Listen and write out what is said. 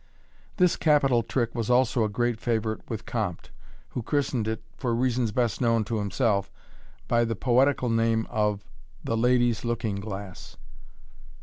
— This capital trick was also a great favourite with Comte, who christened it, for reasons best known to himself, by the poetical name of " The Ladies' Looking glass."